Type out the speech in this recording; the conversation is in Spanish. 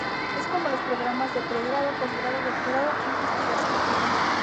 Es como los programas de pregrado, postgrado, doctorado e investigación.